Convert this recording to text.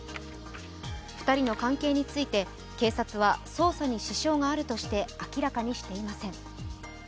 ２人の関係について警察は捜査に支障があるとして明らかにしていません。